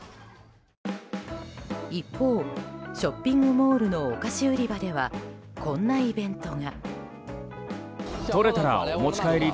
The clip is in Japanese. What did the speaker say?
一方、ショッピングモールのお菓子売り場ではこんなイベントが。